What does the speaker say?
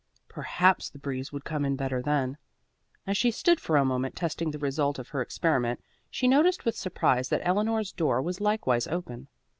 Perhaps the breeze would come in better then. As she stood for a moment testing the result of her experiment, she noticed with surprise that Eleanor's door was likewise open.